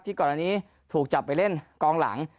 ก่อนอันนี้ถูกจับไปเล่นกองหลัง